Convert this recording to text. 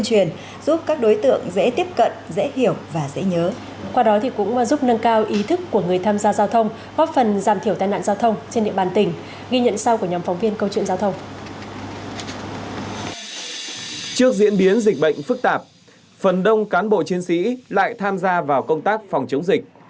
trước diễn biến dịch bệnh phức tạp phần đông cán bộ chiến sĩ lại tham gia vào công tác phòng chống dịch